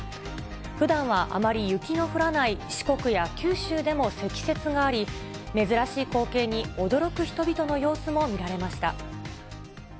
ふだんはあまり雪の降らない四国や九州でも積雪があり、珍しい光景に驚く人々の様子も見られました。